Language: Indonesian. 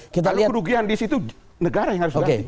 kalau kerugian di situ negara yang harus diganti